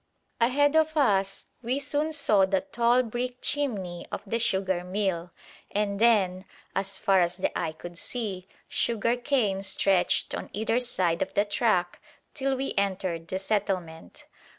Ahead of us we soon saw the tall brick chimney of the sugar mill, and then, as far as the eye could see, sugar cane stretched on either side of the track till we entered the settlement.